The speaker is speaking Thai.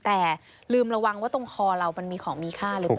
แต่ลืมระวังว่าตรงคอเรามันมีของมีค่าหรือเปล่า